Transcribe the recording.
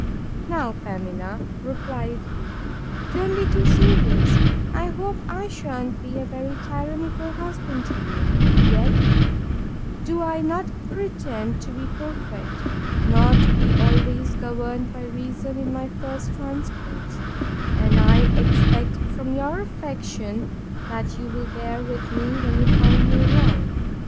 Now, Pamela, replied he, don't be too serious: I hope I shan't be a very tyrannical husband to you: Yet do I not pretend to be perfect, or to be always governed by reason in my first transports; and I expect, from your affection, that you will bear with me when you find me wrong.